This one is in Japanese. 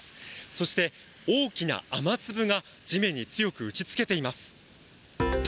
そして、大きな雨粒が地面に強く打ちつけています。